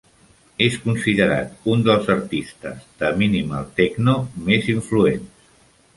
És considerat un dels artistes de minimal techno més influents.